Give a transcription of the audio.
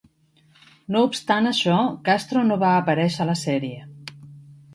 No obstant això, Castro no va aparèixer a la sèrie.